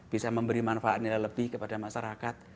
bisa memberi manfaat nilai lebih kepada masyarakat